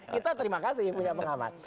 kita terima kasih punya pengamat